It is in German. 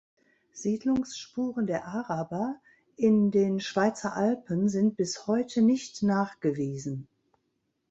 Siedlungsspuren der Araber in den Schweizer Alpen sind bis heute nicht nachgewiesen.